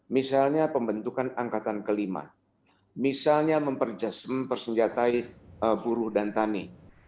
misalnya pembentukan angkatan kelima misalnya mempersenjatai buruh dan tani